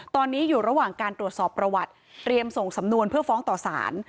ตอนนี้อยู่ระหว่างการตรวจสอบประวัติเตรียมส่งสำนวนเพื่อฟ้องต่อสาร